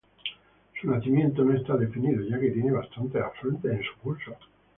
Su nacimiento no está definido ya que tiene bastantes afluentes en su curso.